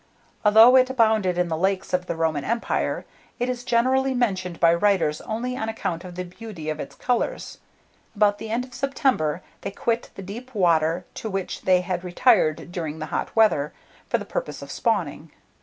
Although it abounded in the lakes of the Roman empire, it is generally mentioned by writers only on account of the beauty of its colours. About the end of September, they quit the deep water to which they had retired during the hot weather, for the purpose of spawning.